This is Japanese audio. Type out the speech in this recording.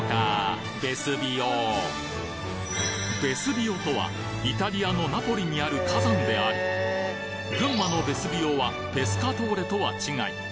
ヴェスビオとはイタリアのナポリにある火山であり群馬のベスビオはペスカトーレとは違い